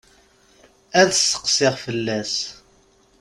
Ad tesseqsi fell-as.